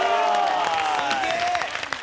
すげえ！